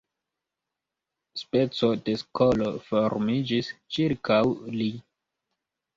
Speco de skolo formiĝis ĉirkaŭ li.